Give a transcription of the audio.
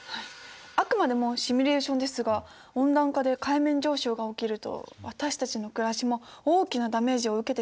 あくまでもシミュレーションですが温暖化で海面上昇が起きると私たちの暮らしも大きなダメージを受けてしまいますね。